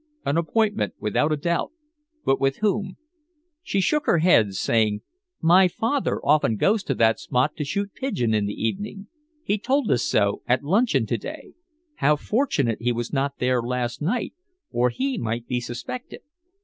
"An appointment, without a doubt. But with whom?" She shook her head, saying: "My father often goes to that spot to shoot pigeon in the evening. He told us so at luncheon to day. How fortunate he was not there last night, or he might be suspected."